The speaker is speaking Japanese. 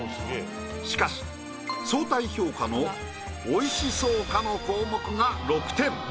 しかし相対評価の美味しそうかの項目が６点。